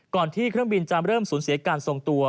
ที่เครื่องบินจะเริ่มสูญเสียการทรงตัว